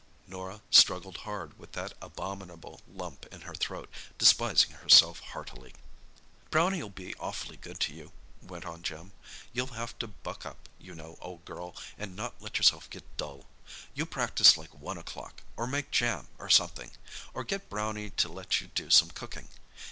Norah struggled hard with that abominable lump in her throat, despising herself heartily. "Brownie'll be awfully good to you," went on Jim. "You'll have to buck up, you know, old girl, and not let yourself get dull. You practise like one o'clock; or make jam, or something; or get Brownie to let you do some cooking.